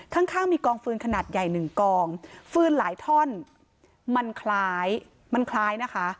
ข้างมีกองฟืนขนาดใหญ่หนึ่งกองฟืนหลายท่อนมันคล้ายนะคะ